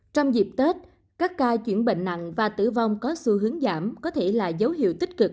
trong dịp tết các ca chuyển bệnh nặng và tử vong có xu hướng giảm có thể là dấu hiệu tích cực